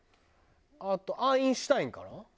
あとアインシュタインかな？